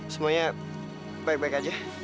semuanya baik baik aja